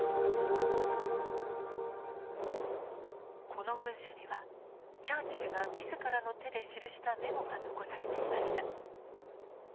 この文書にはチャーチルが自らの手で記したメモが残されていました。